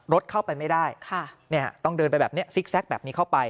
รถเข้าไปไม่ได้ต้องเดินไปแบบนี้ซิกแก๊กแบบนี้เข้าไป